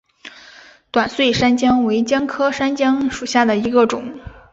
短穗山姜为姜科山姜属下的一个种。